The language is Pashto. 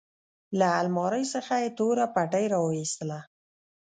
له المارۍ څخه يې توره پټۍ راوايستله.